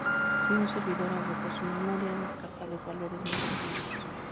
Si un servidor agota su memoria, descarta los valores más antiguos.